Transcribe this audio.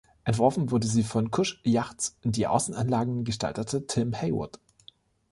Entworfen wurde sie von Kusch Yachts, die Außenanlagen gestaltete Tim Heywood.